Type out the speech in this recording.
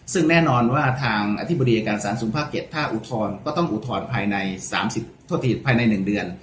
ซึ่งแน่นอนทางอธิบดีอายการสารสูงภาคเก็บถ้าอุทธรก็ต้องอุทธรณ์ภายใน๑เดือน